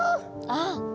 ああ。